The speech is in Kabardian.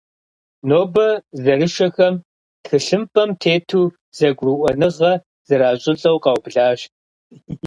Нобэ зэрышэхэм тхылъымпӏэм тету зэгурыӏуэныгъэ зэращӏылӏэу къаублащ.